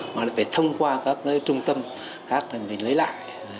mà nó phải thông qua các cái trung tâm khác thì mình lấy lại